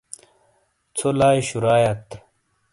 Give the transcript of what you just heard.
ژھو لائی شُرایات۔